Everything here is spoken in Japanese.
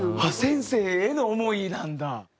先生への思いなんだ。